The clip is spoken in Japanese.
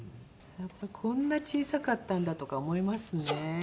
こんな小さかったんだとか思いますね。